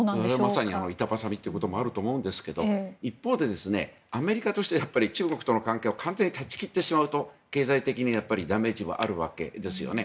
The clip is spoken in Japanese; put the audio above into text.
まさに板挟みということもあるんでしょうが一方で、アメリカとしては中国との関係を完全に断ち切ってしまうと経済的にダメージもあるわけですよね。